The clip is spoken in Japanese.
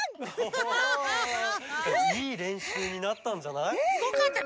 いいれんしゅうになったんじゃない？